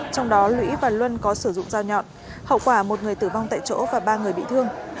trong đó lũy và luân có sử dụng dao nhọn hậu quả một người tử vong tại chỗ và ba người bị thương